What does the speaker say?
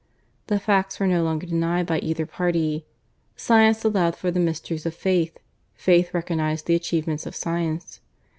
The facts were no longer denied by either party. Science allowed for the mysteries of Faith; Faith recognized the achievements of Science.